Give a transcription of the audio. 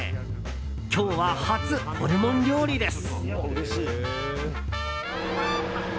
今日は初ホルモン料理です。